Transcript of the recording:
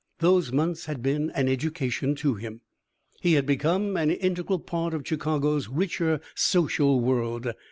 Those months had been an education to him. He had become an integral part of Chicago's richer social world.